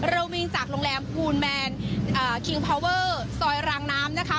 วิงจากโรงแรมภูลแมนคิงพาวเวอร์ซอยรางน้ำนะคะ